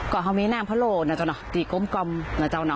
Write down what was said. ก็มีน้ำพะโล้ที่กลมกล่อมคงนะจ้า